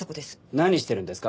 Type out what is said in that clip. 何してるんですか？